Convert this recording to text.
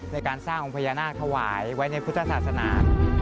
ในการสร้างองค์พญานาคถวายไว้ในพุทธศาสนา